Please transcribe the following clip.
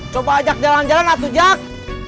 coba ajak jalan jalan atuh jack